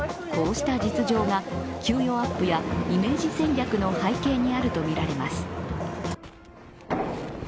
こうした実情が給与アップやイメージ戦略の背景にあるとみられます。